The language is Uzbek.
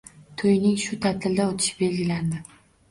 To'yning shu ta'tilda o'tishi belgilandi.